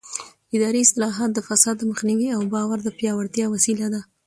اداري اصلاحات د فساد د مخنیوي او باور د پیاوړتیا وسیله دي